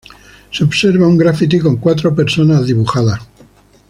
Se observa un grafiti con cuatro personas dibujadas.